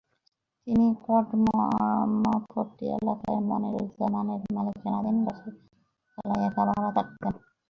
তিনি খড়মপট্টি এলাকায় মনিরুজ্জামানের মালিকানাধীন বাসার পঞ্চম তলায় একা ভাড়া থাকতেন।